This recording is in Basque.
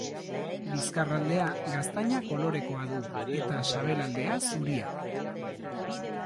Bizkarraldea gaztaina kolorekoa du eta sabelaldea zuria.